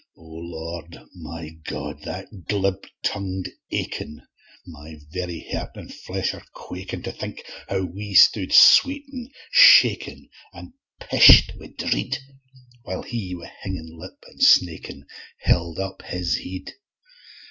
O Lord, my God! that glib tongu'd Aiken, My vera heart and flesh are quakin, To think how we stood sweatin', shakin, An' p 'd wi' dread, While he, wi' hingin lip an' snakin, Held up his head.